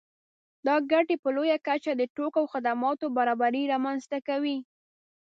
دا ګټې په لویه کچه د توکو او خدماتو برابري رامنځته کوي